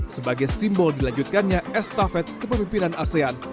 sebagai simbol dilanjutkannya estafet kepemimpinan asean